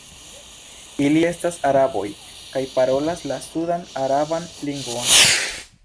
Ili estas araboj kaj parolas la sudan-araban lingvon.